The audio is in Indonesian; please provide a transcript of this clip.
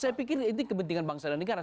saya pikir ini kepentingan bangsa dan negara